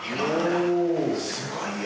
すごいよ。